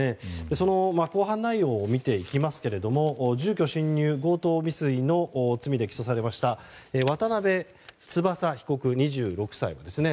その公判内容を見ていきますが住居侵入、強盗未遂の罪で起訴されました渡邉翼被告、２６歳。